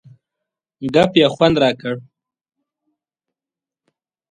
ګپ یې خوند را کړ.